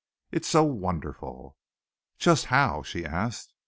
It's so wonderful!" "Just how?" she asked.